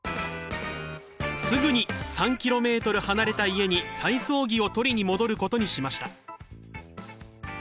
すぐに３ｋｍ離れた家に体操着を取りに戻ることにしました。